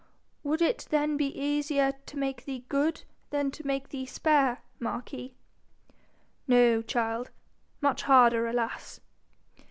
'Would it then be easier to make thee good than to make thee spare, marquis?' 'No, child much harder, alas!'